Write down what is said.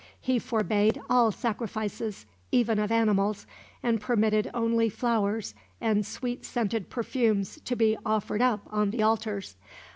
He forbade all sacrifices, even of animals, and permitted only flowers and sweet scented perfumes to be offered up on the altars.